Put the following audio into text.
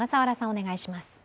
お願いします。